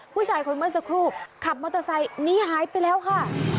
ผู้ชายคนเมื่อสักครู่ขับมอเตอร์ไซค์หนีหายไปแล้วค่ะ